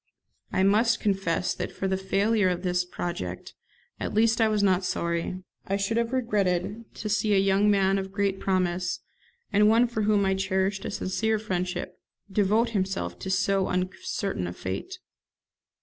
I must confess that for the failure of this project, at least I was not sorry. I should have regretted to see a young man of great promise, and one for whom I cherished a sincere friendship, devote himself to so uncertain a fate.